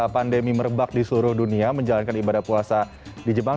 pandemi merebak di seluruh dunia menjalankan ibadah puasa di jepang